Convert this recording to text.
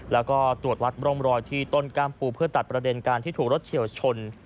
แล้วก็ตรวจวัดร่องรอยที่ต้นกล้ามปูเพื่อตัดประเด็นการที่ถูกรถเฉียวชน